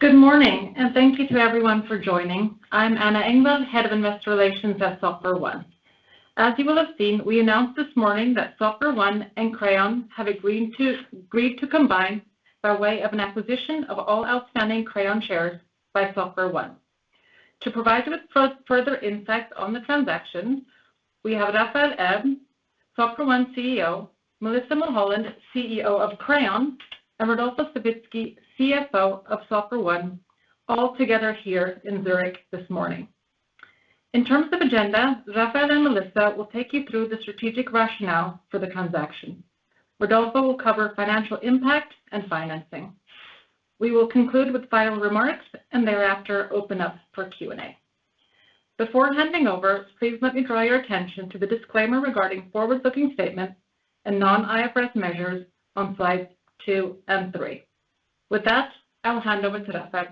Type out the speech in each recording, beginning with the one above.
Good morning, and thank you to everyone for joining. I'm Anna Engvall, Head of Investor Relations at SoftwareOne. As you will have seen, we announced this morning that SoftwareOne and Crayon have agreed to combine by way of an acquisition of all outstanding Crayon shares by SoftwareOne. To provide you with further insights on the transaction, we have Raphael Erb, CEO of SoftwareOne, Melissa Mulholland, CEO of Crayon, and Rodolfo Savitzky, CFO of SoftwareOne, all together here in Zurich this morning. In terms of agenda, Raphael and Melissa will take you through the strategic rationale for the transaction. Rodolfo will cover financial impact and financing. We will conclude with final remarks and thereafter open up for Q&A. Before handing over, please let me draw your attention to the disclaimer regarding forward-looking statements and non-IFRS measures on slides two and three. With that, I'll hand over to Raphael.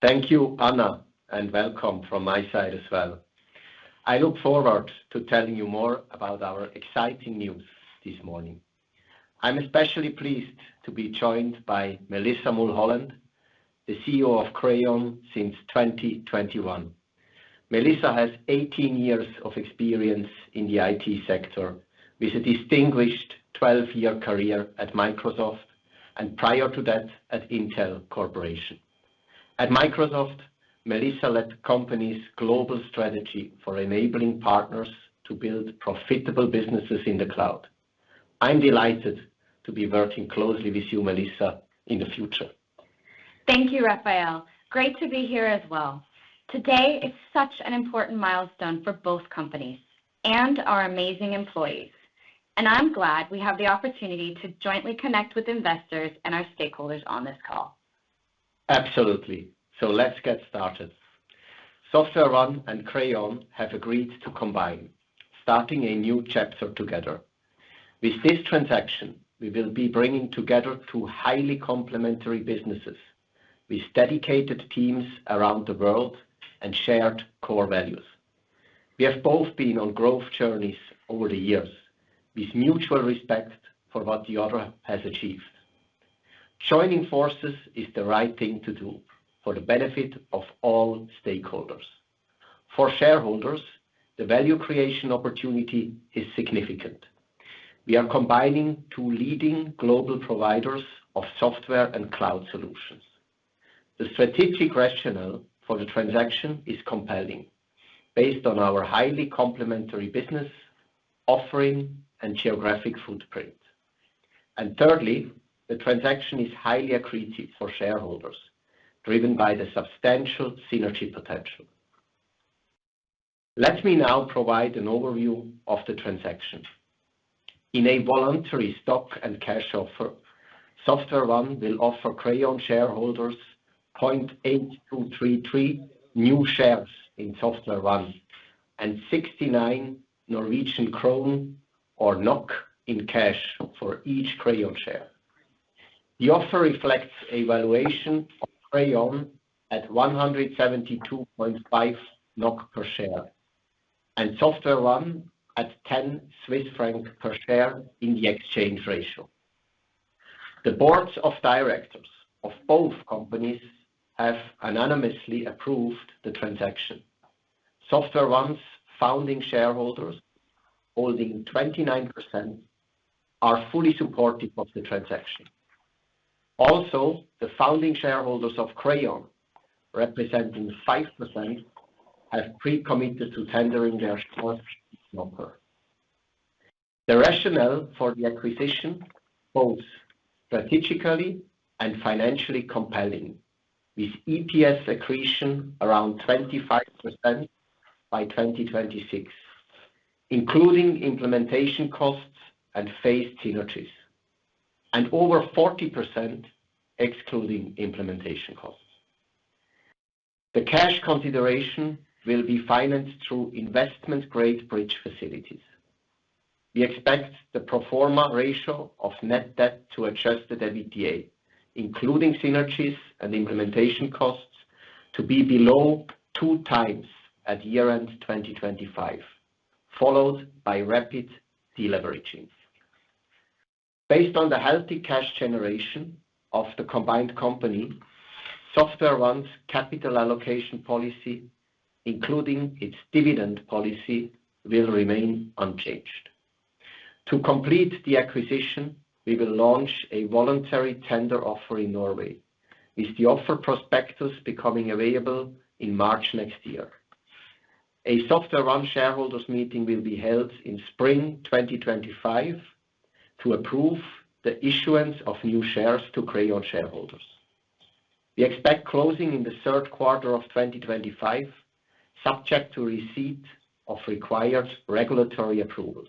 Thank you, Anna, and welcome from my side as well. I look forward to telling you more about our exciting news this morning. I'm especially pleased to be joined by Melissa Mulholland, the CEO of Crayon since 2021. Melissa has 18 years of experience in the IT sector with a distinguished 12-year career at Microsoft and prior to that at Intel Corporation. At Microsoft, Melissa led the company's global strategy for enabling partners to build profitable businesses in the cloud. I'm delighted to be working closely with you, Melissa, in the future. Thank you, Raphael. Great to be here as well. Today is such an important milestone for both companies and our amazing employees, and I'm glad we have the opportunity to jointly connect with investors and our stakeholders on this call. Absolutely, so let's get started. SoftwareOne and Crayon have agreed to combine, starting a new chapter together. With this transaction, we will be bringing together two highly complementary businesses with dedicated teams around the world and shared core values. We have both been on growth journeys over the years with mutual respect for what the other has achieved. Joining forces is the right thing to do for the benefit of all stakeholders. For shareholders, the value creation opportunity is significant. We are combining two leading global providers of software and cloud solutions. The strategic rationale for the transaction is compelling based on our highly complementary business offering and geographic footprint, and thirdly, the transaction is highly accretive for shareholders, driven by the substantial synergy potential. Let me now provide an overview of the transaction. In a voluntary stock and cash offer, SoftwareOne will offer Crayon shareholders 0.8233 new shares in SoftwareOne and 69 Norwegian krone in cash for each Crayon share. The offer reflects a valuation of Crayon at 172.5 NOK per share and SoftwareOne at 10 Swiss francs per share in the exchange ratio. The boards of directors of both companies have unanimously approved the transaction. SoftwareOne's founding shareholders, holding 29%, are fully supportive of the transaction. Also, the founding shareholders of Crayon representing 5% have pre-committed to tendering their shares in the offer. The rationale for the acquisition holds strategically and financially compelling with EPS accretion around 25% by 2026, including implementation costs and phased synergies, and over 40% excluding implementation costs. The cash consideration will be financed through investment-grade bridge facilities. We expect the pro forma ratio of net debt to Adjusted EBITDA, including synergies and implementation costs, to be below two times at year-end 2025, followed by rapid deleveraging. Based on the healthy cash generation of the combined company, SoftwareOne's capital allocation policy, including its dividend policy, will remain unchanged. To complete the acquisition, we will launch a voluntary tender offer in Norway with the offer prospectus becoming available in March next year. A SoftwareOne shareholders' meeting will be held in spring 2025 to approve the issuance of new shares to Crayon shareholders. We expect closing in the third quarter of 2025, subject to receipt of required regulatory approvals.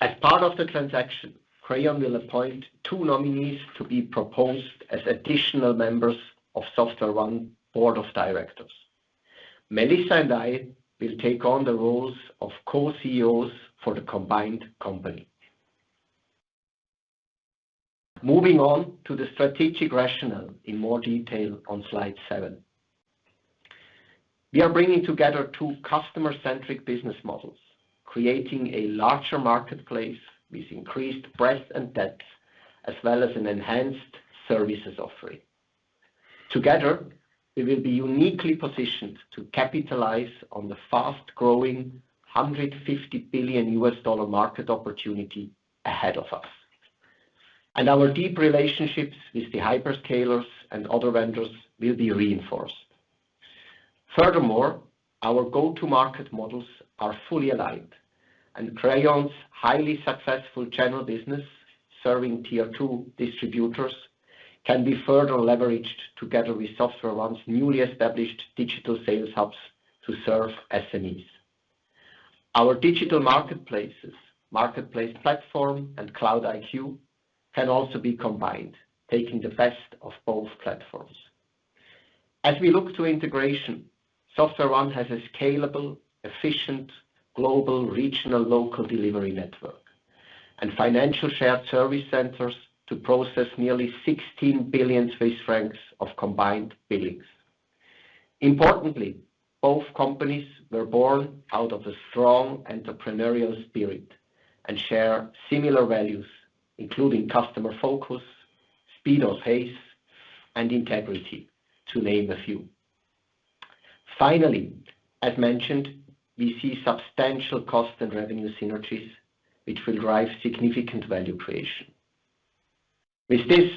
As part of the transaction, Crayon will appoint two nominees to be proposed as additional members of SoftwareOne's board of directors. Melissa and I will take on the roles of co-CEOs for the combined company. Moving on to the strategic rationale in more detail on slide seven. We are bringing together two customer-centric business models, creating a larger marketplace with increased breadth and depth, as well as an enhanced services offering. Together, we will be uniquely positioned to capitalize on the fast-growing $150 billion market opportunity ahead of us, and our deep relationships with the hyperscalers and other vendors will be reinforced. Furthermore, our go-to-market models are fully aligned, and Crayon's highly successful channel business, serving tier two distributors, can be further leveraged together with SoftwareOne's newly established digital sales hubs to serve SMEs. Our digital marketplaces, Marketplace Platform and Cloud-iQ, can also be combined, taking the best of both platforms. As we look to integration, SoftwareOne has a scalable, efficient global regional local delivery network and financial shared service centers to process nearly 16 billion Swiss francs of combined billings. Importantly, both companies were born out of a strong entrepreneurial spirit and share similar values, including customer focus, speed or pace, and integrity, to name a few. Finally, as mentioned, we see substantial cost and revenue synergies, which will drive significant value creation. With this,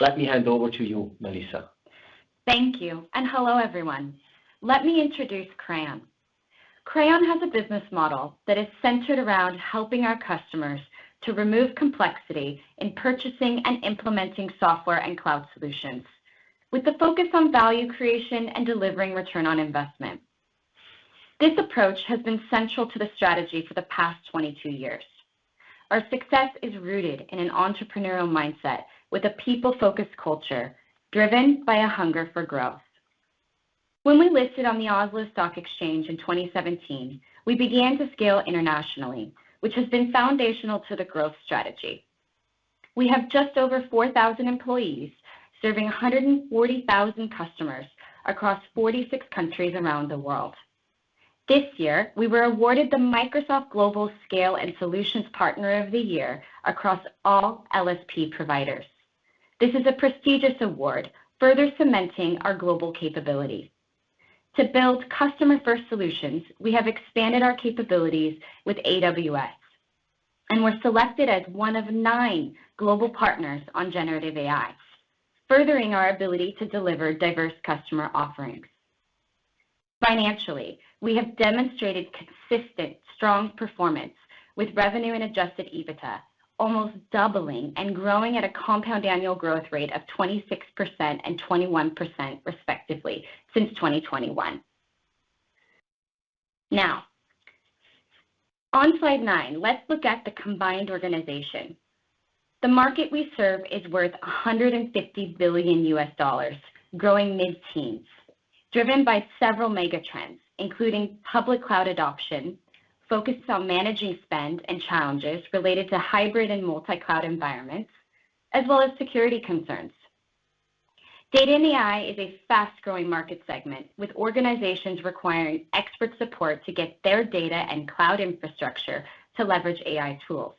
let me hand over to you, Melissa. Thank you. And hello, everyone. Let me introduce Crayon. Crayon has a business model that is centered around helping our customers to remove complexity in purchasing and implementing software and cloud solutions, with the focus on value creation and delivering return on investment. This approach has been central to the strategy for the past 22 years. Our success is rooted in an entrepreneurial mindset with a people-focused culture driven by a hunger for growth. When we listed on the Oslo Stock Exchange in 2017, we began to scale internationally, which has been foundational to the growth strategy. We have just over 4,000 employees serving 140,000 customers across 46 countries around the world. This year, we were awarded the Microsoft Global Scale and Solutions Partner of the Year across all LSP providers. This is a prestigious award, further cementing our global capabilities. To build customer-first solutions, we have expanded our capabilities with AWS, and we're selected as one of nine global partners on generative AI, furthering our ability to deliver diverse customer offerings. Financially, we have demonstrated consistent, strong performance with revenue and Adjusted EBITDA, almost doubling and growing at a compound annual growth rate of 26% and 21%, respectively, since 2021. Now, on slide nine, let's look at the combined organization. The market we serve is worth $150 billion, growing mid-teens, driven by several mega trends, including public cloud adoption focused on managing spend and challenges related to hybrid and multi-cloud environments, as well as security concerns. Data and AI is a fast-growing market segment, with organizations requiring expert support to get their data and cloud infrastructure to leverage AI tools.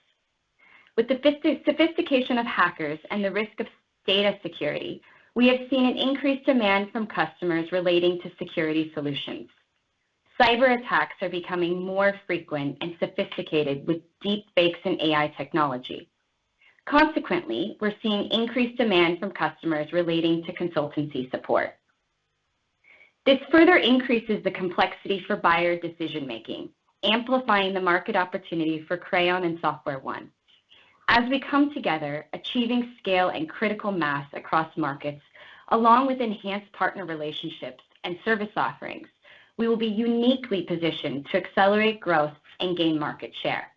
With the sophistication of hackers and the risk of data security, we have seen an increased demand from customers relating to security solutions. Cyber attacks are becoming more frequent and sophisticated with deepfakes and AI technology. Consequently, we're seeing increased demand from customers relating to consultancy support. This further increases the complexity for buyer decision-making, amplifying the market opportunity for Crayon and SoftwareOne. As we come together, achieving scale and critical mass across markets, along with enhanced partner relationships and service offerings, we will be uniquely positioned to accelerate growth and gain market share.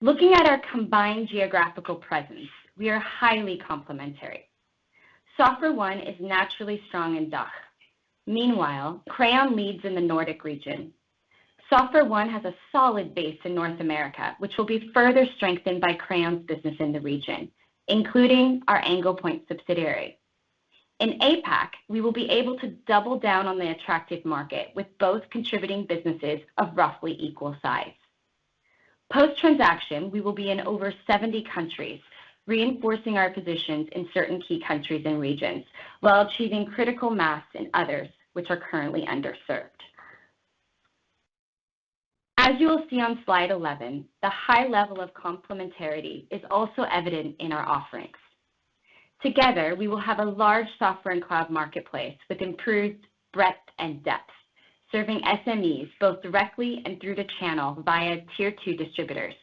Looking at our combined geographical presence, we are highly complementary. SoftwareOne is naturally strong in DACH. Meanwhile, Crayon leads in the Nordic region. SoftwareOne has a solid base in North America, which will be further strengthened by Crayon's business in the region, including our Anglepoint subsidiary. In APAC, we will be able to double down on the attractive market with both contributing businesses of roughly equal size. Post-transaction, we will be in over 70 countries, reinforcing our positions in certain key countries and regions while achieving critical mass in others, which are currently underserved. As you will see on slide 11, the high level of complementarity is also evident in our offerings. Together, we will have a large software and cloud marketplace with improved breadth and depth, serving SMEs both directly and through the channel via tier two distributors.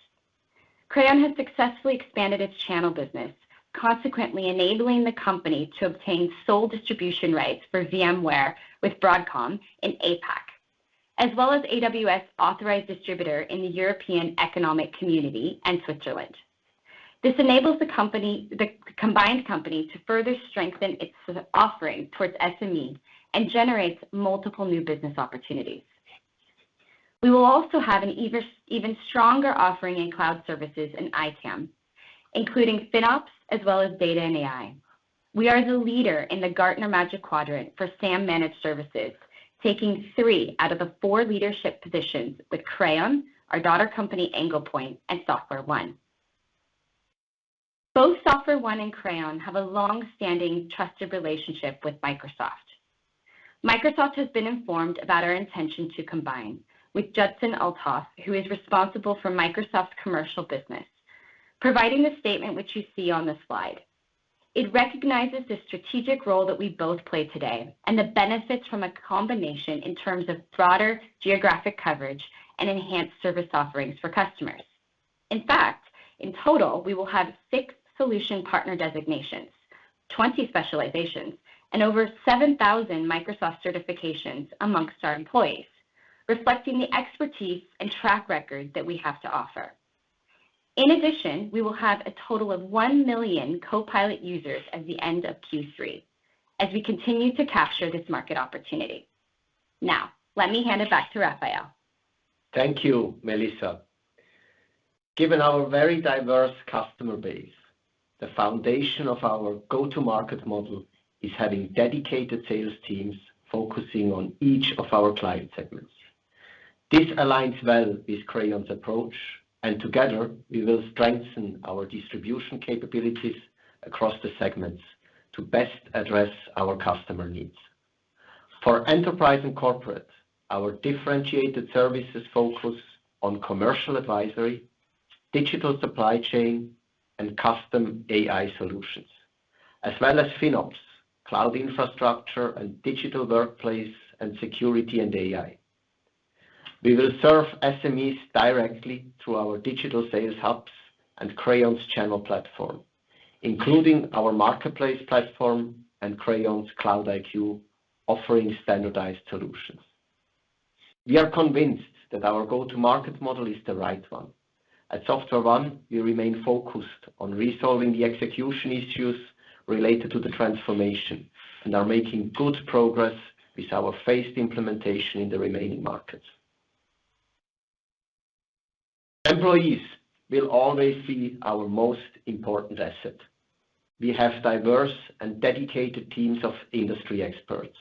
Crayon has successfully expanded its channel business, consequently enabling the company to obtain sole distribution rights for VMware with Broadcom in APAC, as well as AWS authorized distributor in the European Economic Community and Switzerland. This enables the combined company to further strengthen its offering towards SMEs and generates multiple new business opportunities. We will also have an even stronger offering in cloud services and ITAM, including FinOps, as well as data and AI. We are the leader in the Gartner Magic Quadrant for SAM-managed services, taking three out of the four leadership positions with Crayon, our daughter company Anglepoint, and SoftwareOne. Both SoftwareOne and Crayon have a long-standing trusted relationship with Microsoft. Microsoft has been informed about our intention to combine with Judson Althoff, who is responsible for Microsoft's commercial business, providing the statement which you see on the slide. It recognizes the strategic role that we both play today and the benefits from a combination in terms of broader geographic coverage and enhanced service offerings for customers. In fact, in total, we will have six solution partner designations, 20 specializations, and over 7,000 Microsoft certifications among our employees, reflecting the expertise and track record that we have to offer. In addition, we will have a total of 1 million Copilot users at the end of Q3 as we continue to capture this market opportunity. Now, let me hand it back to Raphael. Thank you, Melissa. Given our very diverse customer base, the foundation of our go-to-market model is having dedicated sales teams focusing on each of our client segments. This aligns well with Crayon's approach, and together, we will strengthen our distribution capabilities across the segments to best address our customer needs. For enterprise and corporate, our differentiated services focus on commercial advisory, digital supply chain, and custom AI solutions, as well as FinOps, cloud infrastructure, and digital workplace, and security, and AI. We will serve SMEs directly through our digital sales hubs and Crayon's channel platform, including our Marketplace Platform and Crayon's Cloud-iQ offering standardized solutions. We are convinced that our go-to-market model is the right one. At SoftwareOne, we remain focused on resolving the execution issues related to the transformation and are making good progress with our phased implementation in the remaining markets. Employees will always be our most important asset. We have diverse and dedicated teams of industry experts,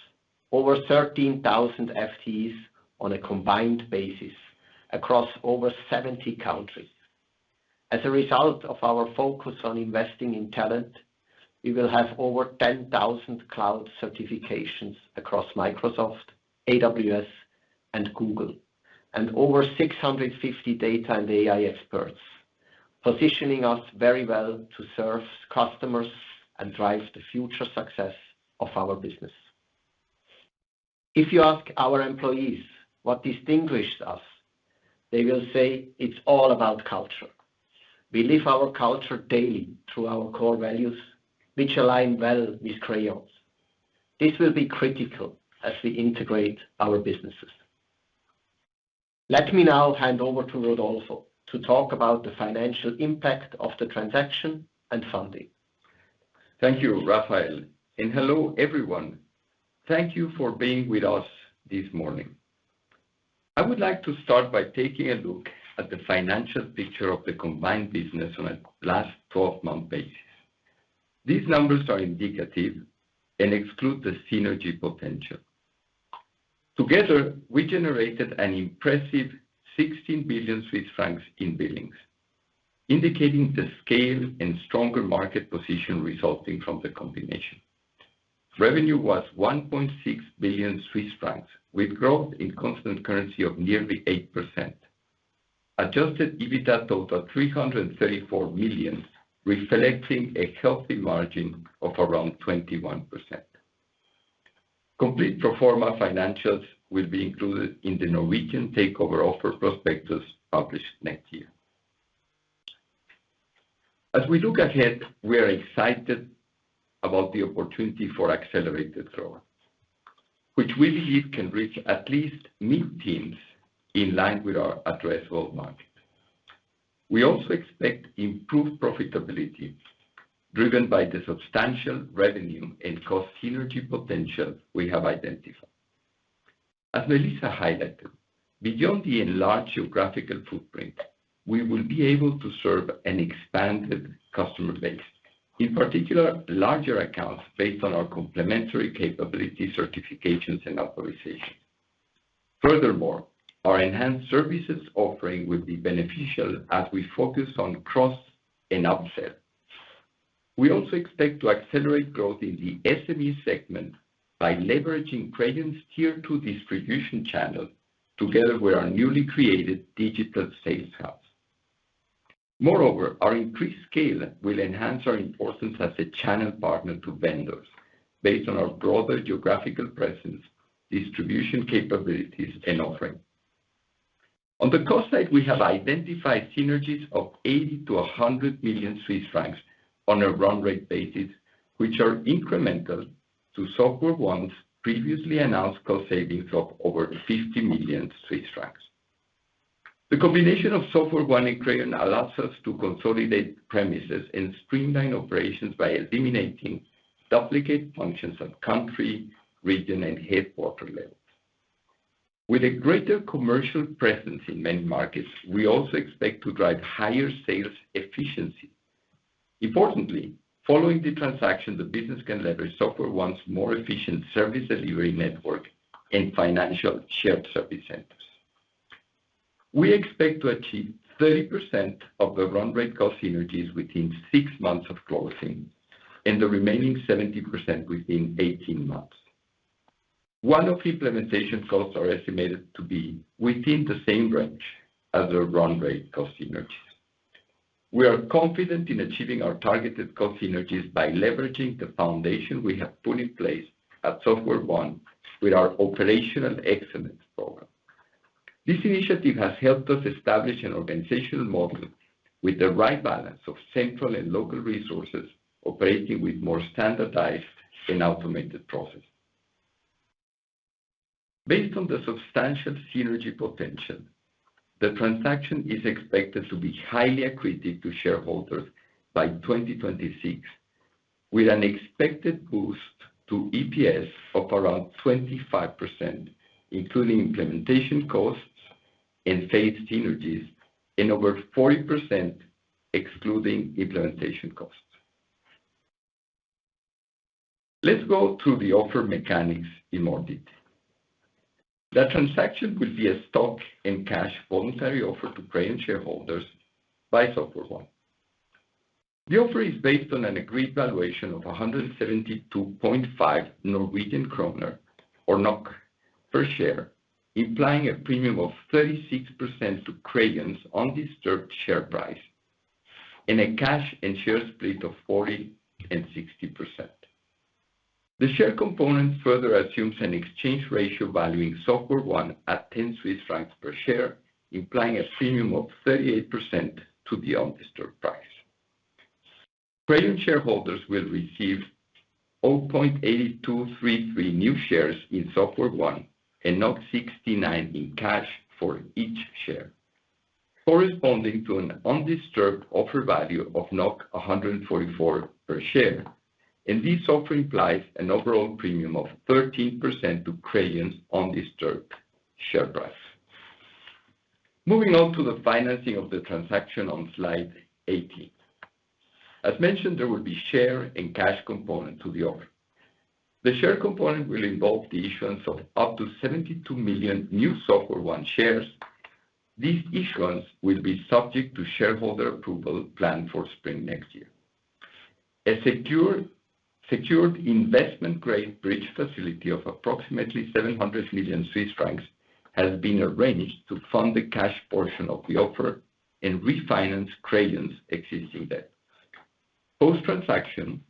over 13,000 FTEs on a combined basis across over 70 countries. As a result of our focus on investing in talent, we will have over 10,000 cloud certifications across Microsoft, AWS, and Google, and over 650 data and AI experts, positioning us very well to serve customers and drive the future success of our business. If you ask our employees what distinguishes us, they will say it's all about culture. We live our culture daily through our core values, which align well with Crayon's. This will be critical as we integrate our businesses. Let me now hand over to Rodolfo to talk about the financial impact of the transaction and funding. Thank you, Raphael. And hello, everyone. Thank you for being with us this morning. I would like to start by taking a look at the financial picture of the combined business on a last 12-month basis. These numbers are indicative and exclude the synergy potential. Together, we generated an impressive 16 billion Swiss francs in billings, indicating the scale and stronger market position resulting from the combination. Revenue was 1.6 billion Swiss francs, with growth in constant currency of nearly 8%. Adjusted EBITDA total 334 million, reflecting a healthy margin of around 21%. Complete pro forma financials will be included in the Norwegian takeover offer prospectus published next year. As we look ahead, we are excited about the opportunity for accelerated growth, which we believe can reach at least mid-teens in line with our addressable market. We also expect improved profitability driven by the substantial revenue and cost synergy potential we have identified. As Melissa highlighted, beyond the enlarged geographical footprint, we will be able to serve an expanded customer base, in particular larger accounts based on our complementary capability certifications and authorizations. Furthermore, our enhanced services offering will be beneficial as we focus on cross and upsell. We also expect to accelerate growth in the SME segment by leveraging Crayon's tier two distribution channel together with our newly created digital sales hubs. Moreover, our increased scale will enhance our importance as a channel partner to vendors based on our broader geographical presence, distribution capabilities, and offering. On the cost side, we have identified synergies of 80 million-100 million Swiss francs on a run rate basis, which are incremental to SoftwareOne's previously announced cost savings of over 50 million Swiss francs. The combination of SoftwareOne and Crayon allows us to consolidate premises and streamline operations by eliminating duplicate functions at country, region, and headquarters levels. With a greater commercial presence in many markets, we also expect to drive higher sales efficiency. Importantly, following the transaction, the business can leverage SoftwareOne's more efficient service delivery network and financial shared service centers. We expect to achieve 30% of the run rate cost synergies within six months of closing and the remaining 70% within 18 months. One-off implementation costs are estimated to be within the same range as the run rate cost synergies. We are confident in achieving our targeted cost synergies by leveraging the foundation we have put in place at SoftwareOne with our operational excellence program. This initiative has helped us establish an organizational model with the right balance of central and local resources operating with more standardized and automated processes. Based on the substantial synergy potential, the transaction is expected to be highly accretive to shareholders by 2026, with an expected boost to EPS of around 25%, including implementation costs and phased synergies, and over 40% excluding implementation costs. Let's go through the offer mechanics in more detail. The transaction will be a stock and cash voluntary offer to Crayon shareholders by SoftwareOne. The offer is based on an agreed valuation of 172.5 Norwegian kroner per share, implying a premium of 36% to Crayon's undisturbed share price and a cash and share split of 40 and 60%. The share component further assumes an exchange ratio valuing SoftwareOne at 10 Swiss francs per share, implying a premium of 38% to the undisturbed price. Crayon shareholders will receive 0.8233 new shares in SoftwareOne and 69 in cash for each share, corresponding to an undisturbed offer value of 144 per share, and this offer implies an overall premium of 13% to Crayon's undisturbed share price. Moving on to the financing of the transaction on slide 18. As mentioned, there will be a share and cash component to the offer. The share component will involve the issuance of up to 72 million new SoftwareOne shares. This issuance will be subject to shareholder approval planned for spring next year. A secured investment-grade bridge facility of approximately 700 million Swiss francs has been arranged to fund the cash portion of the offer and refinance Crayon's existing debt. Post-transaction,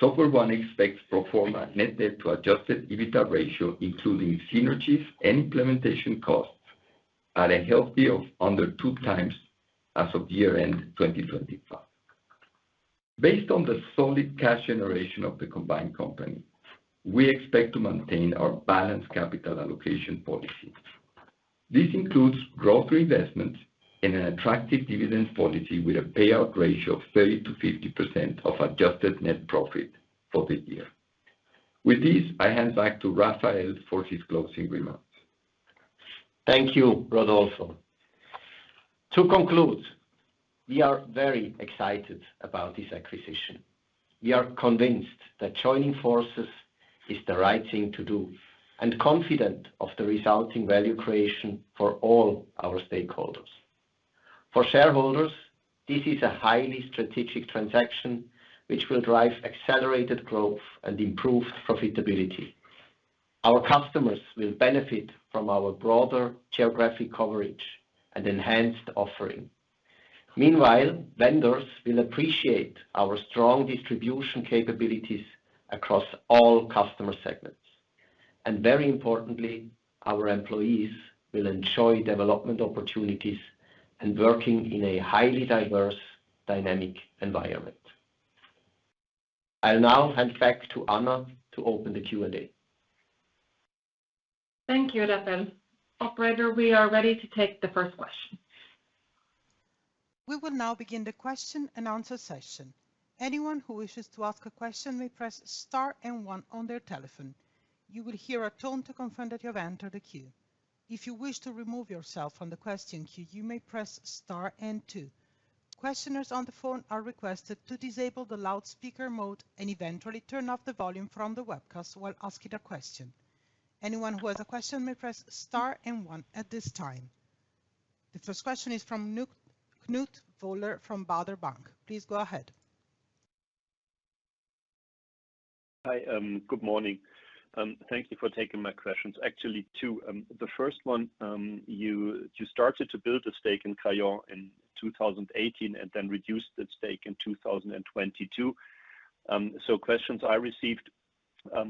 SoftwareOne expects pro forma net debt to Adjusted EBITDA ratio, including synergies and implementation costs, at a healthy level of under two times as of year-end 2025. Based on the solid cash generation of the combined company, we expect to maintain our balanced capital allocation policy. This includes growth reinvestments and an attractive dividend policy with a payout ratio of 30%-50% of adjusted net profit for the year. With this, I hand back to Raphael for his closing remarks. Thank you, Rodolfo. To conclude, we are very excited about this acquisition. We are convinced that joining forces is the right thing to do and confident of the resulting value creation for all our stakeholders. For shareholders, this is a highly strategic transaction, which will drive accelerated growth and improved profitability. Our customers will benefit from our broader geographic coverage and enhanced offering. Meanwhile, vendors will appreciate our strong distribution capabilities across all customer segments. And very importantly, our employees will enjoy development opportunities and working in a highly diverse, dynamic environment. I'll now hand back to Anna to open the Q&A. Thank you, Raphael. Operator, we are ready to take the first question. We will now begin the question and answer session. Anyone who wishes to ask a question may press Star and One on their telephone. You will hear a tone to confirm that you have entered the queue. If you wish to remove yourself from the question queue, you may press Star and Two. Questioners on the phone are requested to disable the loudspeaker mode and eventually turn off the volume from the webcast while asking a question. Anyone who has a question may press Star and One at this time. The first question is from Knut Woller from Baader Bank. Please go ahead. Hi, good morning. Thank you for taking my questions. Actually, two. The first one, you started to build a stake in Crayon in 2018 and then reduced that stake in 2022. So questions I received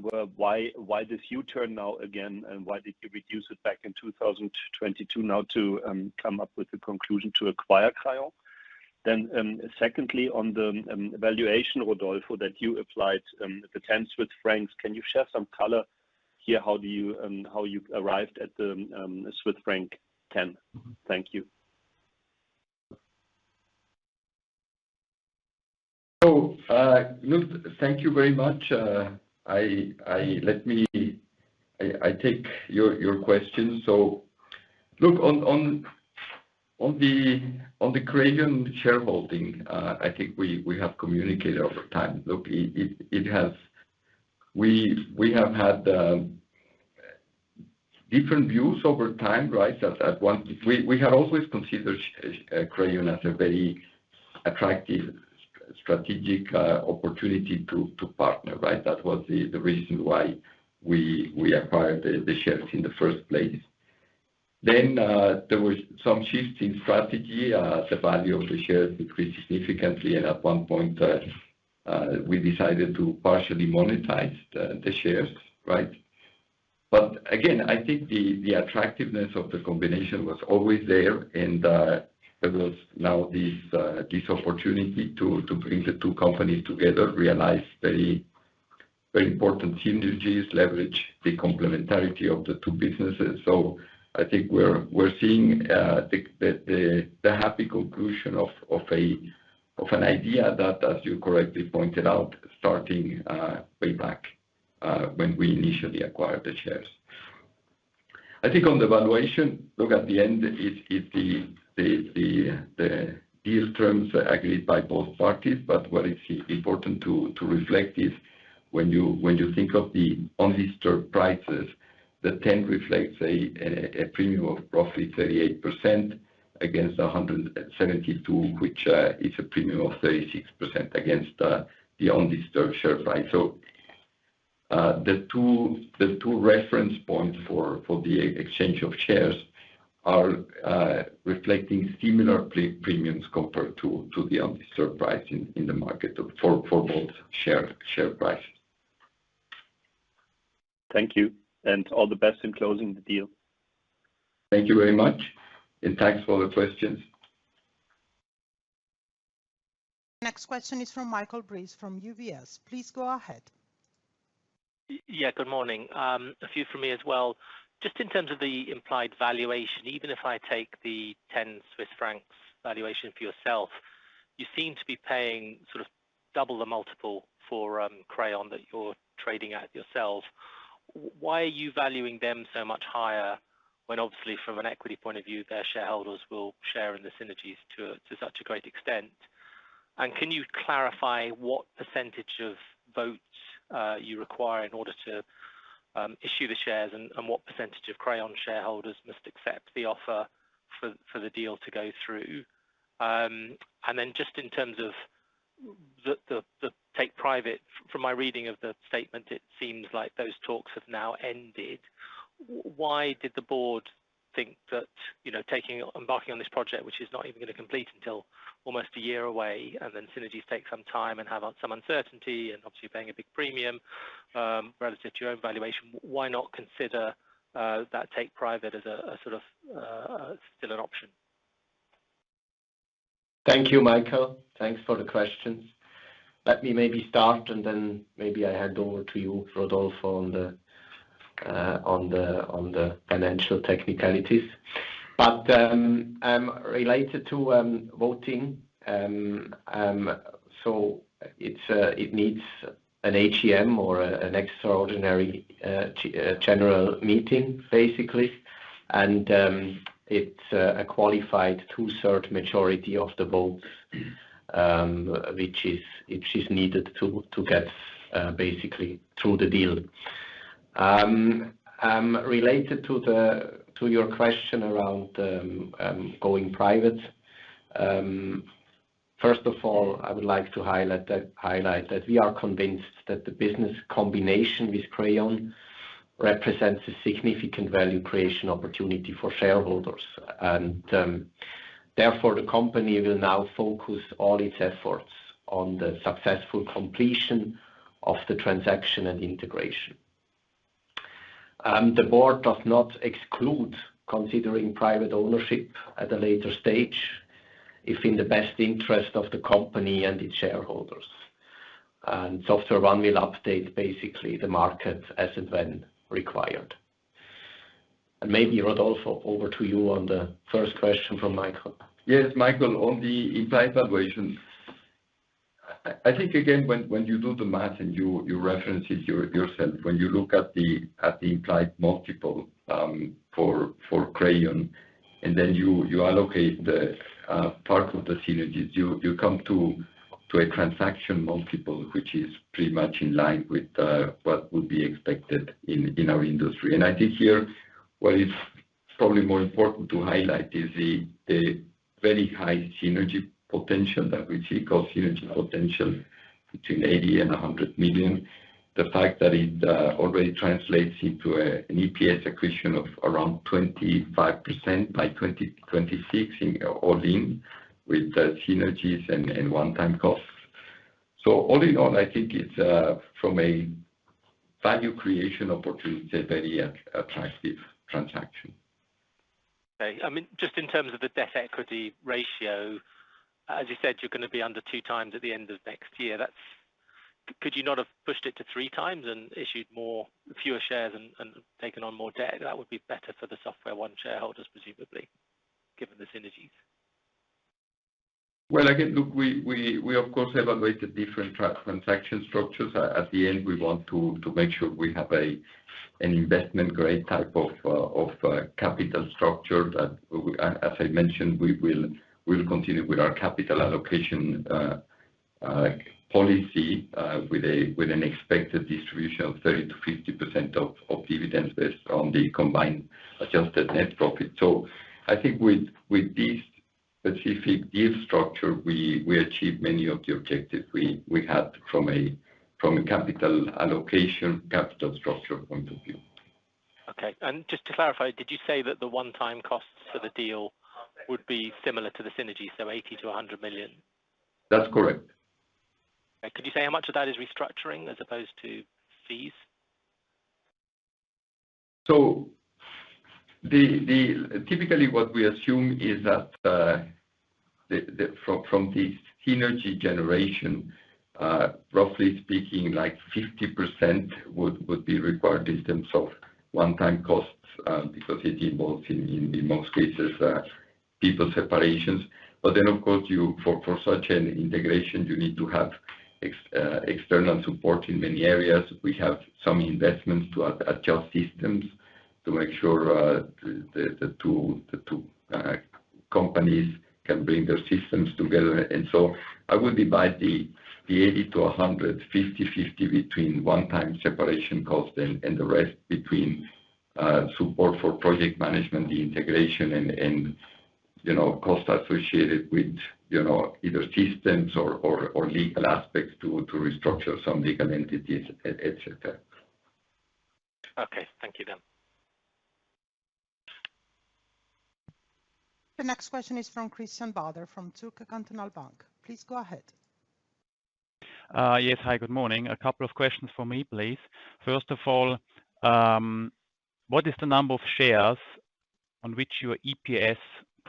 were, why this U-turn now again, and why did you reduce it back in 2022 now to come up with the conclusion to acquire Crayon? Then secondly, on the valuation, Rodolfo, that you applied the 10 Swiss francs, can you share some color here? How do you arrived at the Swiss franc 10? Thank you. So Knut, thank you very much. Let me take your question. So look, on the Crayon shareholding, I think we have communicated over time. Look, we have had different views over time, right? We had always considered Crayon as a very attractive strategic opportunity to partner, right? That was the reason why we acquired the shares in the first place. Then there were some shifts in strategy. The value of the shares decreased significantly, and at one point, we decided to partially monetize the shares, right? But again, I think the attractiveness of the combination was always there, and there was now this opportunity to bring the two companies together, realize very important synergies, leverage the complementarity of the two businesses. So I think we're seeing the happy conclusion of an idea that, as you correctly pointed out, starting way back when we initially acquired the shares. I think on the valuation, look, at the end, it's the deal terms agreed by both parties, but what is important to reflect is when you think of the undisturbed prices, the 10 reflects a premium of roughly 38% against 172, which is a premium of 36% against the undisturbed share price. So the two reference points for the exchange of shares are reflecting similar premiums compared to the undisturbed price in the market for both share prices. Thank you. And all the best in closing the deal. Thank you very much. And thanks for the questions. Next question is from Michael Briest from UBS. Please go ahead. Yeah, good morning. A few from me as well. Just in terms of the implied valuation, even if I take the 10 Swiss francs valuation for yourself, you seem to be paying sort of double the multiple for Crayon that you're trading at yourself. Why are you valuing them so much higher when, obviously, from an equity point of view, their shareholders will share in the synergies to such a great extent? And can you clarify what percentage of votes you require in order to issue the shares and what percentage of Crayon shareholders must accept the offer for the deal to go through? And then just in terms of the take private, from my reading of the statement, it seems like those talks have now ended. Why did the board think that embarking on this project, which is not even going to complete until almost a year away, and then synergies take some time and have some uncertainty and obviously paying a big premium relative to your own valuation, why not consider that take private as sort of still an option? Thank you, Michael. Thanks for the questions. Let me maybe start, and then maybe I hand over to you, Rodolfo, on the financial technicalities. But related to voting, so it needs an AGM or an extraordinary general meeting, basically. And it's a qualified two-thirds majority of the votes, which is needed to get basically through the deal. Related to your question around going private, first of all, I would like to highlight that we are convinced that the business combination with Crayon represents a significant value creation opportunity for shareholders. And therefore, the company will now focus all its efforts on the successful completion of the transaction and integration. The board does not exclude considering private ownership at a later stage if in the best interest of the company and its shareholders. And SoftwareOne will update basically the market as and when required. Maybe, Rodolfo, over to you on the first question from Michael. Yes, Michael, on the implied valuation. I think, again, when you do the math and you reference it yourself, when you look at the implied multiple for Crayon and then you allocate the part of the synergies, you come to a transaction multiple, which is pretty much in line with what would be expected in our industry. And I think here what is probably more important to highlight is the very high synergy potential that we see, cost synergy potential between 80 million and 100 million. The fact that it already translates into an EPS accretion of around 25% by 2026 all in with synergies and one-time costs. So all in all, I think it's from a value creation opportunity, a very attractive transaction. Okay. I mean, just in terms of the debt-equity ratio, as you said, you're going to be under two times at the end of next year. Could you not have pushed it to three times and issued fewer shares and taken on more debt? That would be better for the SoftwareOne shareholders, presumably, given the synergies. Again, look, we of course evaluated different transaction structures. At the end, we want to make sure we have an investment-grade type of capital structure that, as I mentioned, we will continue with our capital allocation policy with an expected distribution of 30%-50% of dividends based on the combined adjusted net profit. So I think with this specific deal structure, we achieved many of the objectives we had from a capital allocation capital structure point of view. Okay. And just to clarify, did you say that the one-time costs for the deal would be similar to the synergies, so 80-100 million? That's correct. Okay. Could you say how much of that is restructuring as opposed to fees? Typically, what we assume is that from the synergy generation, roughly speaking, like 50% would be required in terms of one-time costs because it involves, in most cases, people separations. But then, of course, for such an integration, you need to have external support in many areas. We have some investments to adjust systems to make sure the two companies can bring their systems together. And so I would divide the 80-100, 50/50 between one-time separation costs and the rest between support for project management, the integration, and costs associated with either systems or legal aspects to restructure some legal entities, etc. Okay. Thank you then. The next question is from Christian Bader from Zürcher Kantonalbank. Please go ahead. Yes. Hi, good morning. A couple of questions for me, please. First of all, what is the number of shares on which your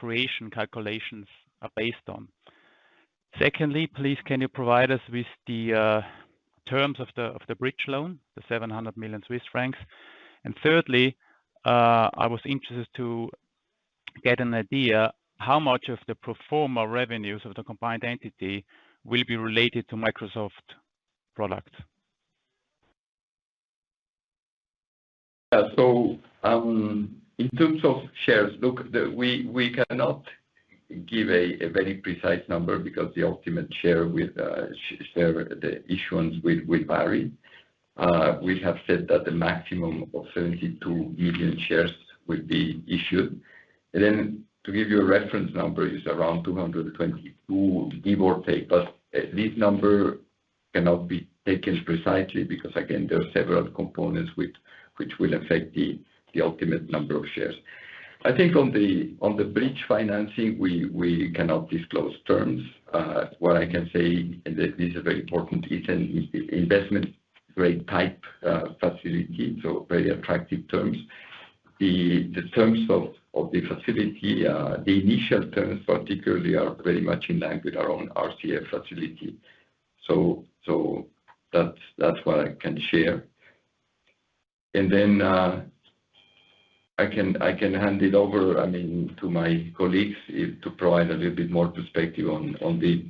EPS creation calculations are based on? Secondly, please, can you provide us with the terms of the bridge loan, the CHF 700 million? And thirdly, I was interested to get an idea how much of the pro forma revenues of the combined entity will be related to Microsoft products? Yeah. So in terms of shares, look, we cannot give a very precise number because the ultimate share issuance will vary. We have said that the maximum of 72 million shares will be issued. And then to give you a reference number, it's around 222, give or take. But this number cannot be taken precisely because, again, there are several components which will affect the ultimate number of shares. I think on the bridge financing, we cannot disclose terms. What I can say, and this is a very important piece, and it's an investment-grade type facility, so very attractive terms. The terms of the facility, the initial terms particularly are very much in line with our own RCF facility. So that's what I can share. And then I can hand it over, I mean, to my colleagues to provide a little bit more perspective on the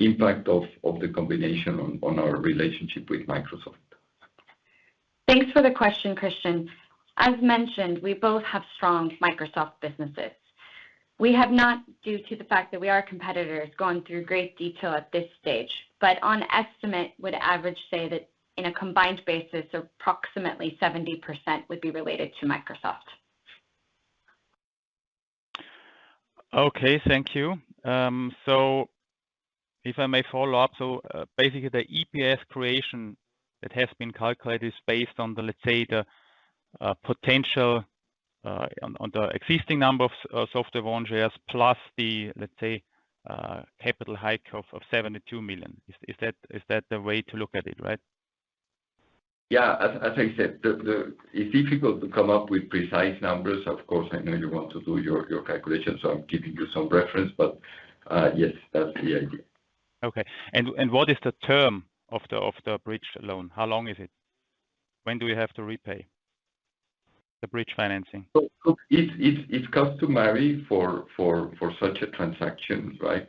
impact of the combination on our relationship with Microsoft. Thanks for the question, Christian. As mentioned, we both have strong Microsoft businesses. We have not, due to the fact that we are competitors, gone through great detail at this stage, but on estimate, would average say that in a combined basis, approximately 70% would be related to Microsoft. Okay. Thank you. So if I may follow up, so basically, the EPS creation that has been calculated is based on the, let's say, the potential on the existing number of SoftwareOne shares plus the, let's say, capital hike of 72 million. Is that the way to look at it, right? Yeah. As I said, it's difficult to come up with precise numbers. Of course, I know you want to do your calculations, so I'm giving you some reference, but yes, that's the idea. Okay. What is the term of the bridge loan? How long is it? When do we have to repay the bridge financing? Look, it's customary for such a transaction, right?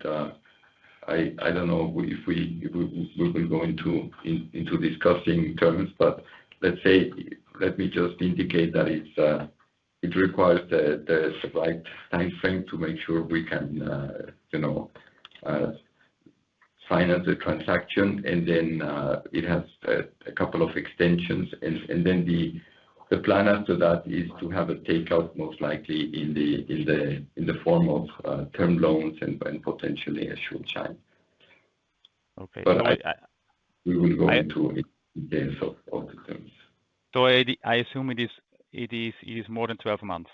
I don't know if we will go into discussing terms, but let's say, let me just indicate that it requires the right timeframe to make sure we can finance the transaction, and then it has a couple of extensions, and then the plan after that is to have a takeout, most likely in the form of term loans and potentially a short time. Okay. But we will go into details of the terms. So I assume it is more than 12 months.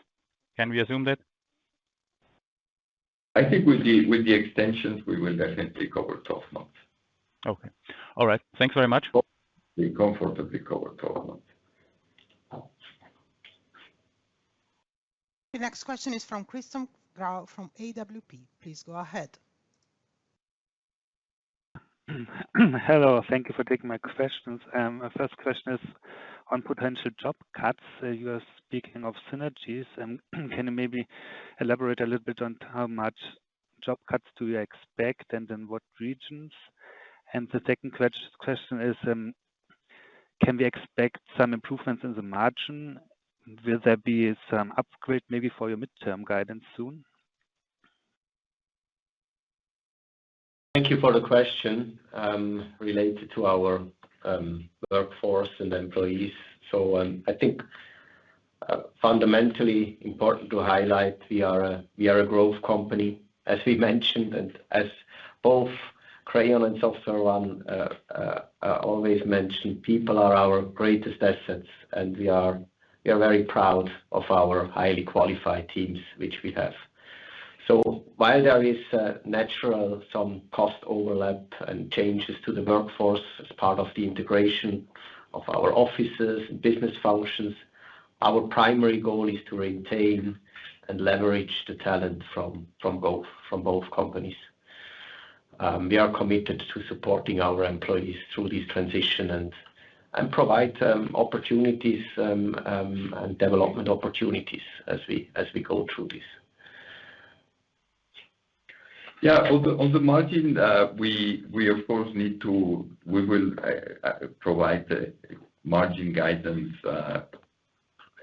Can we assume that? I think with the extensions, we will definitely cover 12 months. Okay. All right. Thanks very much. Be comfortably covered 12 months. The next question is from Christian Grau from AWP. Please go ahead. Hello. Thank you for taking my questions. My first question is on potential job cuts. You are speaking of synergies. Can you maybe elaborate a little bit on how much job cuts do you expect and in what regions? And the second question is, can we expect some improvements in the margin? Will there be some upgrade maybe for your midterm guidance soon? Thank you for the question related to our workforce and employees. So I think fundamentally important to highlight, we are a growth company, as we mentioned, and as both Crayon and SoftwareOne always mentioned, people are our greatest assets, and we are very proud of our highly qualified teams which we have. So while there is natural some cost overlap and changes to the workforce as part of the integration of our offices and business functions, our primary goal is to retain and leverage the talent from both companies. We are committed to supporting our employees through this transition and provide opportunities and development opportunities as we go through this. Yeah. On the margin, we, of course, need to provide margin guidance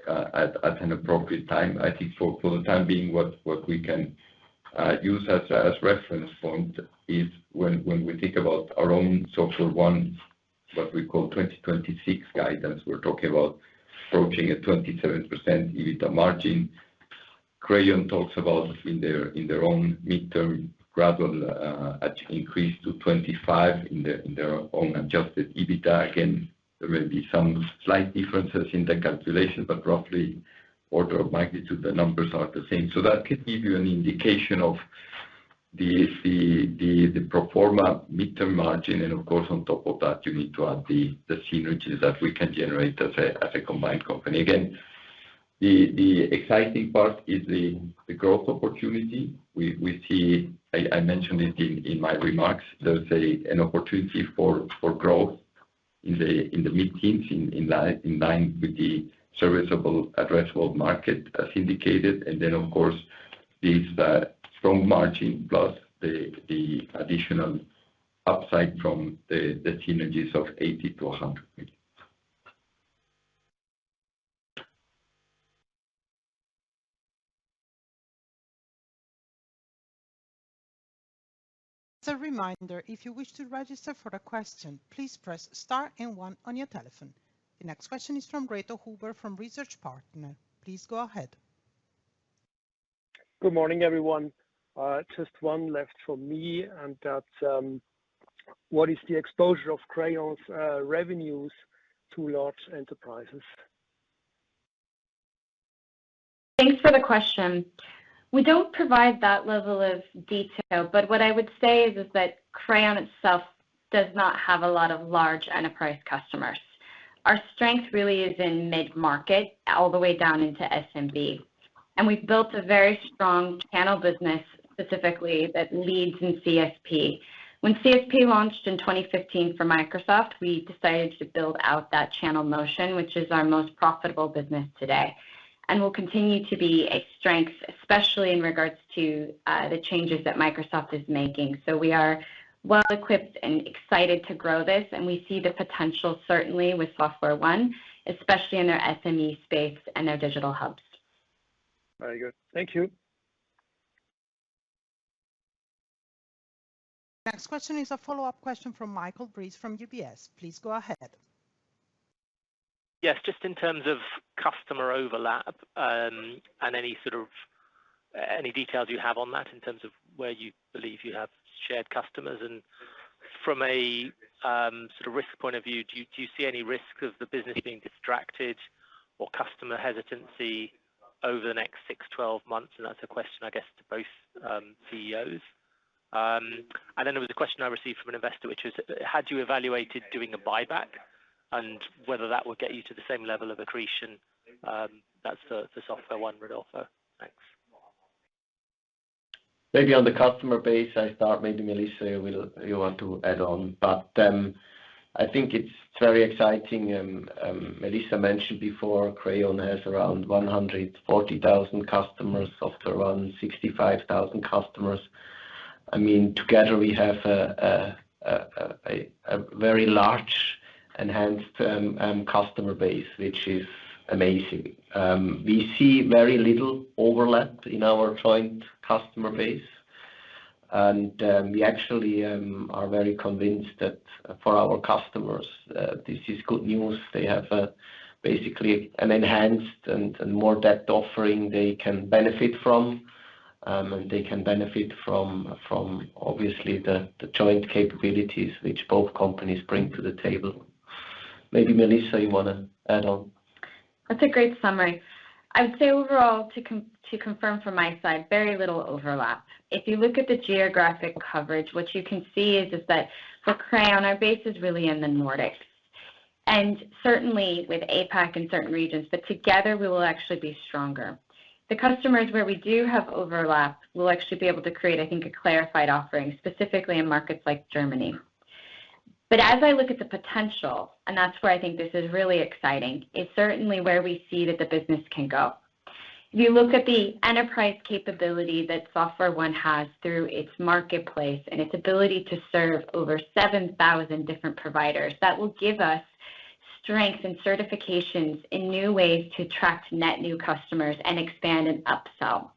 at an appropriate time. I think for the time being, what we can use as a reference point is when we think about our own SoftwareOne, what we call 2026 guidance, we're talking about approaching a 27% EBITDA margin. Crayon talks about in their own midterm gradual increase to 25% in their own adjusted EBITDA. Again, there may be some slight differences in the calculation, but roughly order of magnitude, the numbers are the same. So that could give you an indication of the pro forma midterm margin. And of course, on top of that, you need to add the synergies that we can generate as a combined company. Again, the exciting part is the growth opportunity. I mentioned it in my remarks. There's an opportunity for growth in the midteens in line with the serviceable, addressable market as indicated. Then, of course, this strong margin plus the additional upside from the synergies of 80-100 million. As a reminder, if you wish to register for a question, please press star and one on your telephone. The next question is from Reto Huber from Research Partners. Please go ahead. Good morning, everyone. Just one left for me, and that's what is the exposure of Crayon's revenues to large enterprises? Thanks for the question. We don't provide that level of detail, but what I would say is that Crayon itself does not have a lot of large enterprise customers. Our strength really is in mid-market all the way down into SMB. And we've built a very strong channel business specifically that leads in CSP. When CSP launched in 2015 for Microsoft, we decided to build out that channel motion, which is our most profitable business today. And we'll continue to be a strength, especially in regards to the changes that Microsoft is making. So we are well equipped and excited to grow this, and we see the potential certainly with SoftwareOne, especially in their SME space and their digital hubs. Very good. Thank you. The next question is a follow-up question from Michael Briest from UBS. Please go ahead. Yes. Just in terms of customer overlap and any details you have on that in terms of where you believe you have shared customers, and from a sort of risk point of view, do you see any risk of the business being distracted or customer hesitancy over the next six, 12 months, and that's a question, I guess, to both CEOs. And then there was a question I received from an investor, which was, had you evaluated doing a buyback and whether that would get you to the same level of accretion as the SoftwareOne would offer? Thanks. Maybe on the customer base, I thought maybe Melissa will want to add on, but I think it's very exciting. Melissa mentioned before, Crayon has around 140,000 customers, SoftwareOne 65,000 customers. I mean, together, we have a very large enhanced customer base, which is amazing. We see very little overlap in our joint customer base, and we actually are very convinced that for our customers, this is good news. They have basically an enhanced and more depth offering they can benefit from, and they can benefit from, obviously, the joint capabilities which both companies bring to the table. Maybe Melissa, you want to add on? That's a great summary. I would say overall, to confirm from my side, very little overlap. If you look at the geographic coverage, what you can see is that for Crayon our base is really in the Nordics, and certainly with APAC in certain regions, but together we will actually be stronger. The customers where we do have overlap will actually be able to create, I think, a clarified offering specifically in markets like Germany. But as I look at the potential, and that's where I think this is really exciting, is certainly where we see that the business can go. If you look at the enterprise capability that SoftwareOne has through its marketplace and its ability to serve over 7,000 different providers, that will give us strength and certifications in new ways to attract net new customers and expand and upsell.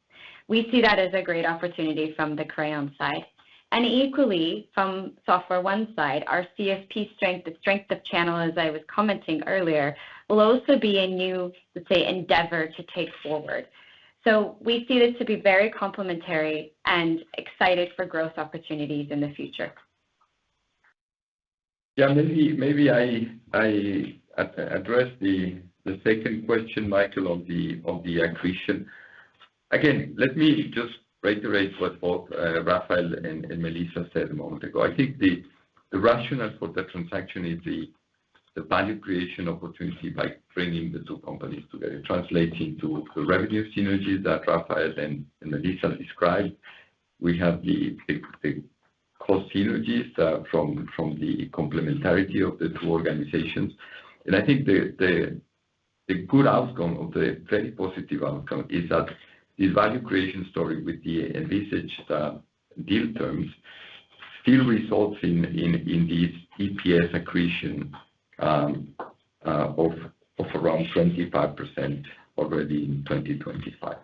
We see that as a great opportunity from the Crayon side. And equally, from SoftwareOne side, our CSP strength, the strength of channel, as I was commenting earlier, will also be a new, let's say, endeavor to take forward. So we see this to be very complementary and excited for growth opportunities in the future. Yeah. Maybe I address the second question, Michael, on the accretion. Again, let me just reiterate what both Raphael and Melissa said a moment ago. I think the rationale for the transaction is the value creation opportunity by bringing the two companies together, translating to the revenue synergies that Raphael and Melissa described. We have the cost synergies from the complementarity of the two organizations. And I think the good outcome of the very positive outcome is that the value creation story with the envisaged deal terms still results in this EPS accretion of around 25% already in 2025.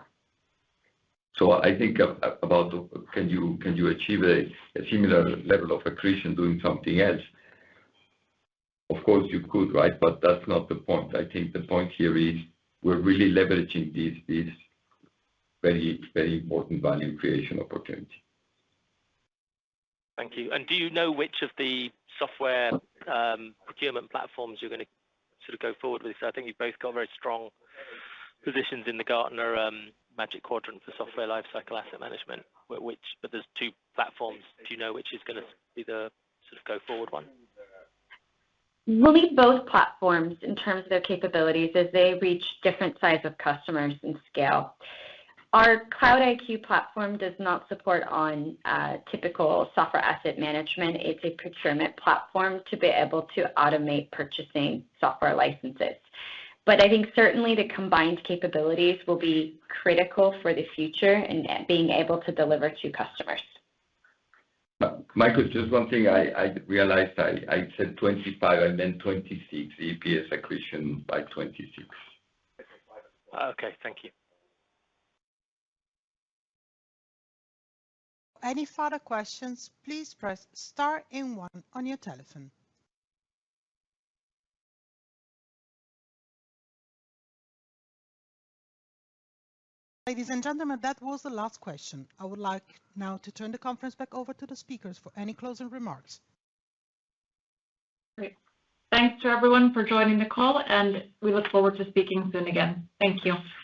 So I think about can you achieve a similar level of accretion doing something else? Of course, you could, right? But that's not the point. I think the point here is we're really leveraging this very important value creation opportunity. Thank you. And do you know which of the software procurement platforms you're going to sort of go forward with? So I think you've both got very strong positions in the Gartner Magic Quadrant for Software Asset Management, but there's two platforms. Do you know which is going to be the sort of go forward one? We'll need both platforms in terms of their capabilities as they reach different size of customers and scale. Our Cloud-iQ platform does not support only typical software asset management. It's a procurement platform to be able to automate purchasing software licenses. But I think certainly the combined capabilities will be critical for the future and being able to deliver to customers. Michael, just one thing. I realized I said 25. I meant 26 EPS accretion by 2026. Okay. Thank you. Any further questions, please press star and one on your telephone. Ladies and gentlemen, that was the last question. I would like now to turn the conference back over to the speakers for any closing remarks. Great. Thanks to everyone for joining the call, and we look forward to speaking soon again. Thank you.